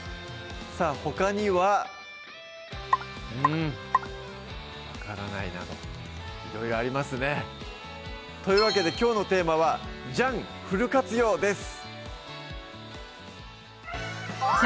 さぁほかにはうん「わからない！」などいろいろありますねというわけできょうのテーマは「醤フル活用」です